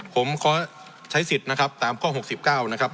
ผมขอใช้สิทธิ์นะครับตามข้อ๖๙นะครับ